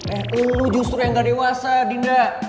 eh lo justru yang nggak dewasa dinda